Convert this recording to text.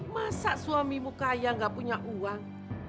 masa suamimu kaya gak punya uang